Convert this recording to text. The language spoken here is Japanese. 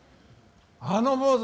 あの坊主